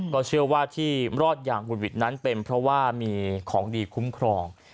ก็เชื่อว่าที่รอดอย่างหุดหวิดนั้นเป็นเพราะว่ามีของดีคุ้มครอง